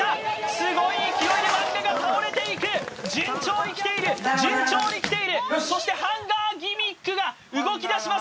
すごい勢いで漫画が倒れていく順調に来ている順調に来ているそしてハンガーギミックが動きだします